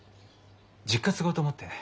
実家継ごうと思ってね。